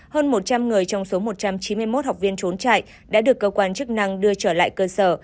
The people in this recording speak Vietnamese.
hơn một trăm linh người trong số một trăm chín mươi một học viên trốn chạy đã được cơ quan chức năng đưa trở lại cơ sở